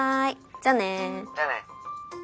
じゃあね。